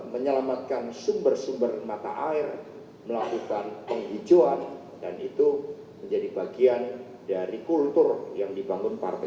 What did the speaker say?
menyelamatkan sumber sumber mata air melakukan penghijauan dan itu menjadi bagian dari kultur yang dibangun partai